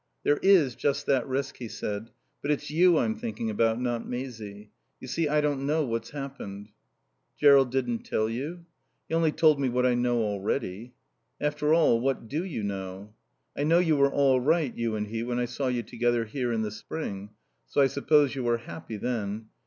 "There is just that risk," he said. "But it's you I'm thinking about, not Maisie. You see, I don't know what's happened." "Jerrold didn't tell you?" "He only told me what I know already." "After all, what do you know?" "I know you were all right, you and he, when I saw you together here in the spring. So I suppose you were happy then.